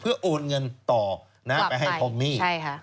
เพื่อโอนเงินต่อไปให้ทอมมี่